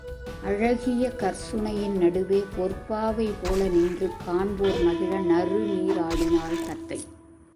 அழகிய கற்சுனையின் நடுவே பொற்பாவைபோல நின்று, காண்போர் மகிழ நறுநீராடினாள் தத்தை.